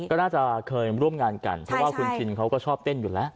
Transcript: ก็น่าจะเคยร่วมงานกันเพราะว่าคุณชินเขาก็ชอบเต้นอยู่แล้ว